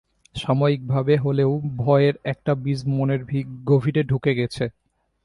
সাময়িকভাবে হলেও ভয়ের একটা বীজ মনের গভীরে ঢুকে গেছে।